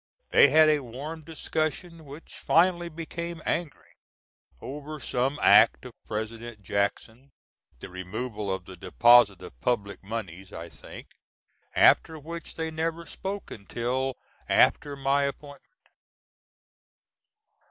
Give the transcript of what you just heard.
They had a warm discussion, which finally became angry over some act of President Jackson, the removal of the deposit of public moneys, I think after which they never spoke until after my appointment.